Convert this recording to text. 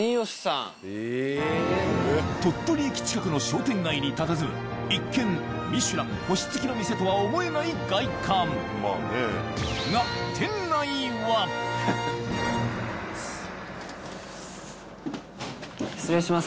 鳥取駅近くの商店街にたたずむ一見ミシュラン星付きの店とは思えない外観失礼します